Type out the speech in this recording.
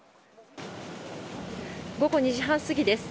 午後２時半過ぎです。